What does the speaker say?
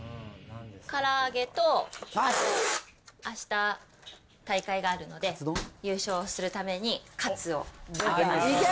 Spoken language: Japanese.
から揚げと、あした大会があるので、優勝するために、カツを揚げます。